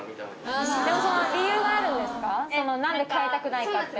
何でかえたくないかって。